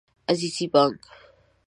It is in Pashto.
عزیزي بانګ